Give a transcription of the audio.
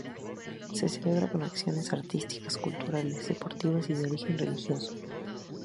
Se celebra con actividades artísticas, culturales, deportivas y de orden religioso.